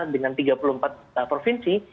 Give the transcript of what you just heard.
dengan tiga puluh empat provinsi